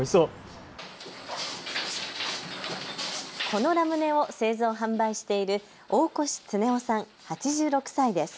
このラムネを製造・販売している大越恒男さん、８６歳です。